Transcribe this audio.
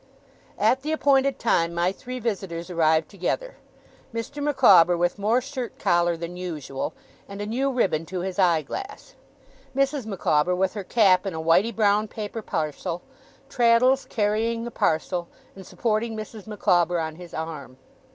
At the appointed time, my three visitors arrived together. Mr. Micawber with more shirt collar than usual, and a new ribbon to his eye glass; Mrs. Micawber with her cap in a whitey brown paper parcel; Traddles carrying the parcel, and supporting Mrs. Micawber on his arm.